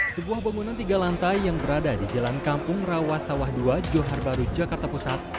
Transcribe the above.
sebuah bangunan tiga lantai yang berada di jalan kampung rawa sawah ii johar baru jakarta pusat